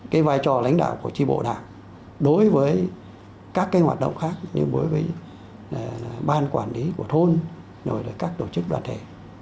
cái vai trò lãnh đạo của tri bộ đảng đối với các cái hoạt động khác như đối với ban quản lý của thôn rồi là các tổ chức đoàn thể